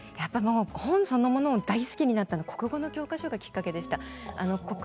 本そのものを大好きになったのは国語の教科書がきっかけでした。